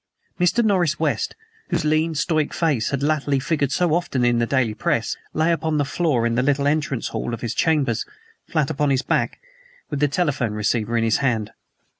Mr. Norris West, whose lean, stoic face had latterly figured so often in the daily press, lay upon the floor in the little entrance hall of his chambers, flat upon his back, with the telephone receiver in his hand.